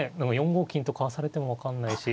４五金とかわされても分かんないし。